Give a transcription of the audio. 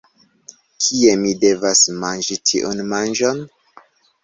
Kie mi devas manĝi tiun manĝon?